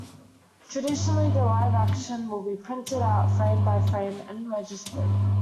Traditionally, the live action will be printed out frame by frame and registered.